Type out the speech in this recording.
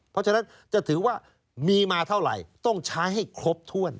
เพราะฉะนั้นจะถือว่ามีมาเท่าไหร่ต้องใช้ให้ครบถ้วน